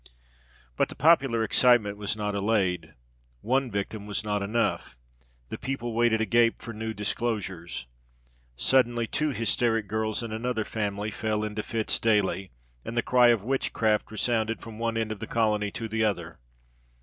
But the popular excitement was not allayed. One victim was not enough; the people waited agape for new disclosures. Suddenly two hysteric girls in another family fell into fits daily, and the cry of witchcraft resounded from one end of the colony to the other.